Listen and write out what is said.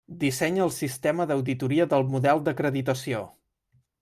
Dissenya el sistema d'auditoria del model d'acreditació.